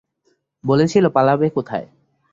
বলেছিল, পালাবে কোথায়।